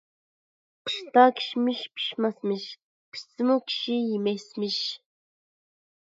قىشتا كىشمىش پىشماسمىش، پىشسىمۇ كىشى يېمەسمىش.